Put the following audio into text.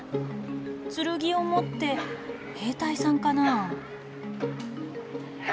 剣を持って兵隊さんかな？